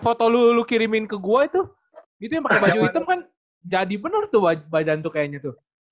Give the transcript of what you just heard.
koto lu kirimin ke gue itu itu yang pake baju hitam kan jadi bener tuh badan tuh kayaknya tuh